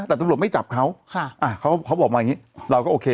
แต่ตำรวจไม่จับเขาค่ะอ่าเขาเขาบอกมาอย่างงี้เราก็โอเค